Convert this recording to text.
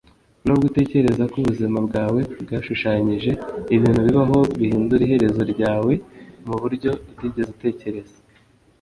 nubwo utekereza ko ubuzima bwawe bwashushanyije, ibintu bibaho bihindura iherezo ryawe muburyo utigeze utekereza